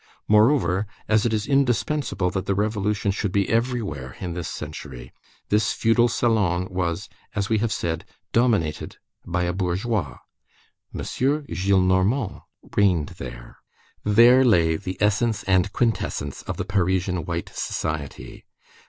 Moreover, as it is indispensable that the Revolution should be everywhere in this century, this feudal salon was, as we have said, dominated by a bourgeois. M. Gillenormand reigned there. There lay the essence and quintessence of the Parisian white society.